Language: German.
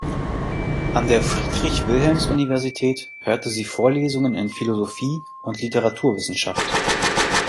An der Friedrich-Wilhelms-Universität hörte sie Vorlesungen in Philosophie und Literaturwissenschaft.